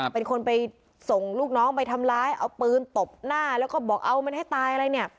เป็นคนไปส่งลูกน้องไปทำร้ายเอาปืนตบหน้าแล้วก็บอกเอามันให้ตายอะไรเนี่ย